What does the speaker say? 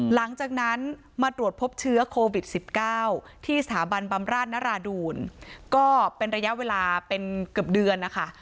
หลังจากนั้นมาตรวจพบเชื้อโควิด๑๙ที่สถาบันบำราชนราดูลก็เป็นระยะเวลาเป็นเกือบเดือนนะคะ